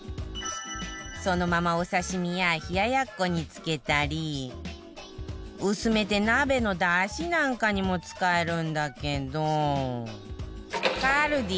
そのままお刺身や冷奴につけたり薄めて鍋のだしなんかにも使えるんだけど ＫＡＬＤＩ